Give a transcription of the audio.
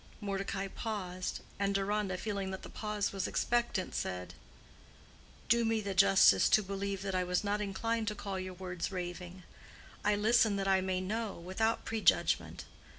Mordecai paused, and Deronda, feeling that the pause was expectant, said, "Do me the justice to believe that I was not inclined to call your words raving. I listen that I may know, without prejudgment.